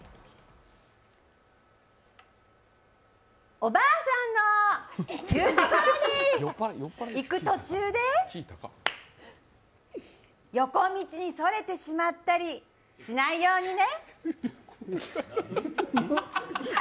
おばあさんのいるところに行く途中で横道にそれてしまったりしないようにね！